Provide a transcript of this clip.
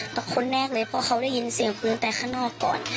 แต่คนแรกเลยเพราะเขาได้ยินเสียงปืนแต่ข้างนอกก่อน